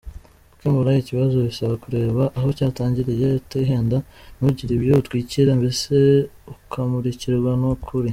Gukemura ikibazo bisaba kureba aho cyatangiriye utihenda, ntugire ibyo utwikira, mbese ukamurikirwa n’ukuri.